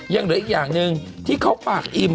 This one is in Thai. ยังเหลืออีกอย่างหนึ่งที่เขาปากอิ่ม